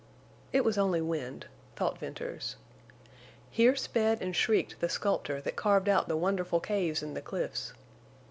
It was only wind, thought Venters. Here sped and shrieked the sculptor that carved out the wonderful caves in the cliffs.